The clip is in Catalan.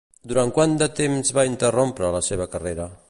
Durant quant de temps va interrompre la seva carrera?